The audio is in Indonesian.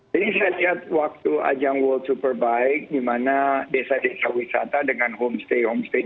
jadi saya lihat waktu ajang world superbike di mana desa desa wisata dengan homestay homestay